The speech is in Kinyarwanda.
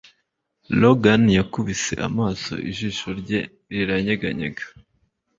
logan yakubise amaso, ijisho rye riranyeganyega